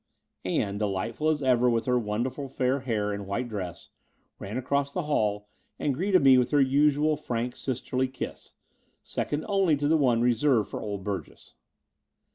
Ann, delightful as ever with her wonderful fair hair and white dress, ran across the hall and greeted me with her usual frank sisterly kiss, second only to the one reserved for old Burgess.